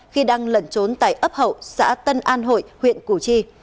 khi đang lẩn trốn tại ấp hậu xã tân an hội huyện củ chi